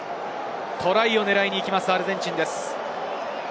トライを狙いに行くアルゼンチンです。